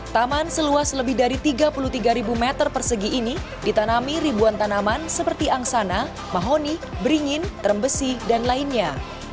taman seluas lebih dari tiga puluh tiga meter persegi ini ditanami ribuan tanaman seperti angsana mahoni beringin terembesi dan lainnya